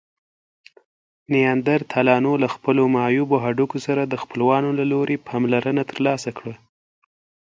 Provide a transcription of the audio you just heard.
نیاندرتالانو له خپلو معیوبو هډوکو سره د خپلوانو له لوري پاملرنه ترلاسه کړه.